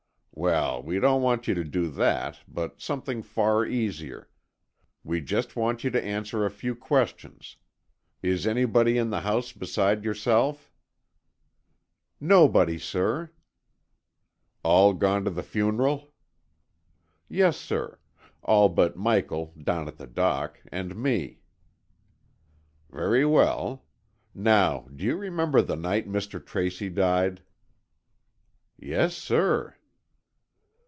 "Well, we don't want you to do that, but something far easier. We just want you to answer a few questions. Is anybody in the house beside yourself?" "Nobody, sir." "All gone to the funeral?" "Yes, sir. All but Michael, down at the dock, and me." "Very well. Now, do you remember the night Mr. Tracy died?" "Yes, sir."